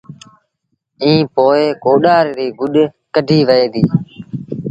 ائيٚݩ پو ڪوڏآر ريٚ گُڏ ڪڍيٚ وهي دي